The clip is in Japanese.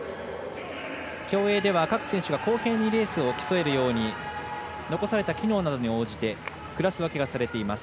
競泳では各選手が公平にレースを競えるように残された機能などに応じてクラス分けがされています。